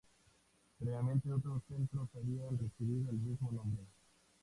Previamente otros centros habían recibido el mismo nombre.